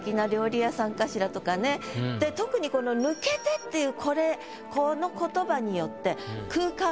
特にこの「抜けて」っていうこれこの言葉によって。